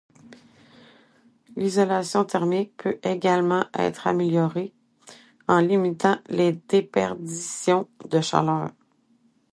L'isolation thermique peut également être améliorée, en limitant les déperditions de chaleur.